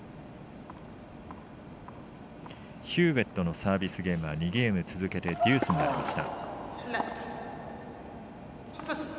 ヒューウェットのサービスゲームは２ゲーム続けてデュースになりました。